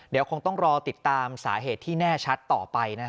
เดี๋ยวคงต้องรอติดตามสาเหตุที่แน่ชัดต่อไปนะฮะ